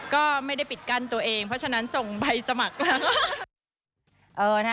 ก็ไม่ได้ปิดกั้นตัวเองเพราะฉะนั้นส่งใบสมัครมา